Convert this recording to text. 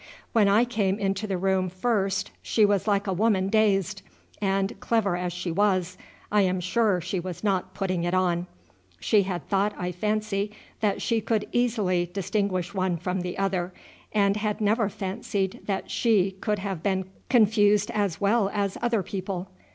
When I came into the room first she was like a woman dazed, and, clever as she was, I am sure she was not putting it on. She had thought, I fancy, that she could easily distinguish one from the other, and had never fancied that she could have been confused as well as other people.